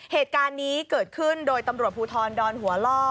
เหตุการณ์นี้เกิดขึ้นโดยตำรวจภูทรดอนหัวล่อ